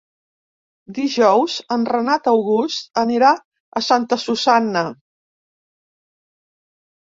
Dijous en Renat August anirà a Santa Susanna.